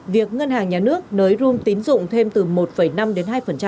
việc ngân hàng nhà nước nới room tín dụng thêm từ một năm đến hai